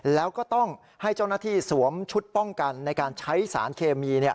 แล้วก็ต้องให้เจ้าหน้าที่สวมชุดป้องกันในการใช้สารเคมี